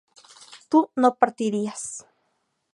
tú no partirías